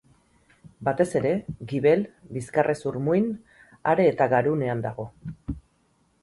Batez ere, gibel, bizkarrezur-muin, are eta garunean dago.